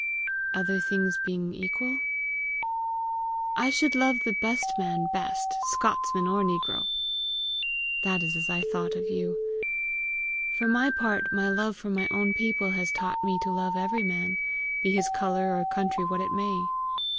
"Other things not being equal, ?" "I should love the best man best Scotsman or negro." "That is as I thought of you. For my part, my love for my own people has taught me to love every man, be his colour or country what it may.